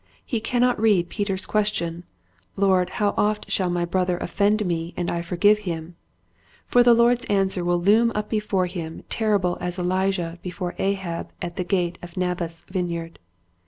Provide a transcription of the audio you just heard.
He cannot read Peter's Pettiness. 149 question, " Lord, how oft shall my brother offend me and I forgive him ?" for the Lord's answer will loom up before him terrible as Elijah before Ahab at the gate of Naboth's vineyard.